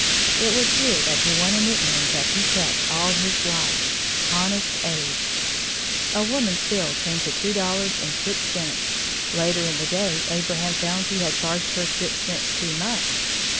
It was here that he won a nickname that he kept all his life "Honest Abe." A woman's bill came to two dollars and six cents. Later in the day Abraham found he had charged her six cents too much.